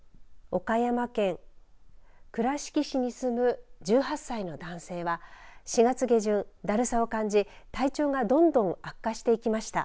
岡山県倉敷市に住む１８歳の男性は、４月下旬だるさを感じ、体調がどんどん悪化していきました。